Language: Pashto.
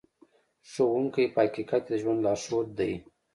ښوونکی په حقیقت کې د ژوند لارښود دی.